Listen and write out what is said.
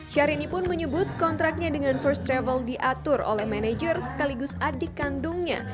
syahrini pun menyebut kontraknya dengan first travel diatur oleh manajer sekaligus adik kandungnya